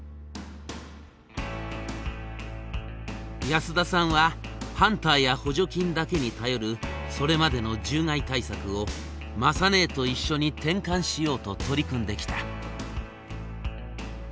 安田さんはハンターや補助金だけに頼るそれまでの獣害対策を雅ねえと一緒に転換しようと取り組んできた。